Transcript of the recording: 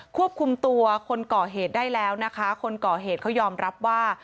ควบคุมตัวคนก่อเหตุได้แล้วนะคะคนก่อเหตุเขายอมรับว่า